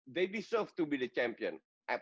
mereka berharga menjadi pemenang